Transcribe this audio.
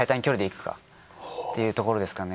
っていうところですかね。